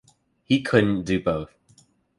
He couldn't do both.